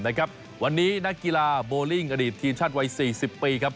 วันนี้นักกีฬาโบลิ่งอดีตทีมชาติวัย๔๐ปีครับ